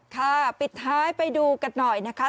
ปิดท้ายไปดูกันหน่อยนะคะ